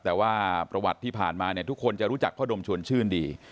แต่ว่าประวัติที่ผ่านมาเนี่ยทุกคนจะรู้จักพ่อดมชวนชื่นดี